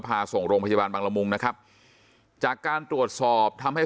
พาส่งโรงพยาบาลบังละมุงนะครับจากการตรวจสอบทำให้